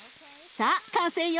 さあ完成よ。